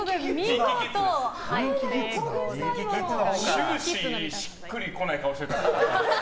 終始しっくりこない顔してたな。